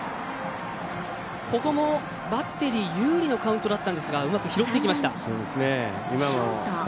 ここもバッテリー有利のカウントだったんですがうまく拾っていきました。